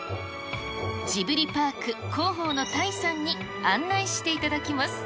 ジブリパーク広報の田井さんに案内していただきます。